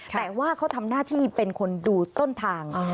แต่ว่าเขาทำหน้าที่เป็นคนดูต้นทาง